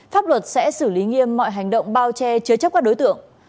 pháp luật sẽ xử lý nghiêm mọi hành động bao che chứa chấp các đối tượng